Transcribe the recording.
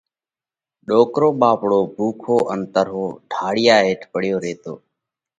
ڏوڪرو ٻاپڙو ڀُوکو ان ترهو، ڍاۯِيا هيٺ پڙيو ريتو۔